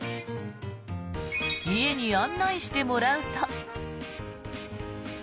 家に案内してもらうと。